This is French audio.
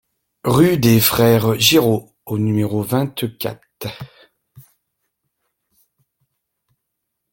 Rue des Frères Géraud au numéro vingt-quatre